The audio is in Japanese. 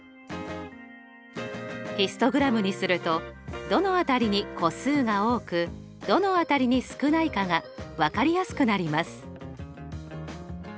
ヒストグラムにするとどの辺りに個数が多くどの辺りに少ないかが分かりやすくなります。